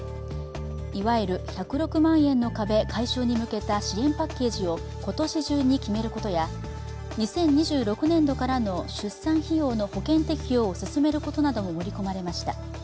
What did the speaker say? いわゆる１０６万円の壁解消に向けた支援パッケージを今年中に決めることや、２０２６年度からの出産費用の保険適用を進めることなども盛り込まれました。